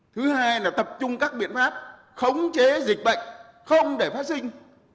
thứ hai là tập trung các biện pháp khống chế dịch bệnh không để phát sinh